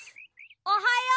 おはよう！